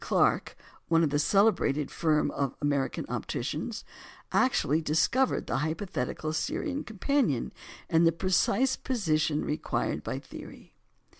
Clark (one of the celebrated firm of American opticians) actually discovered the hypothetical Sirian companion in the precise position required by theory.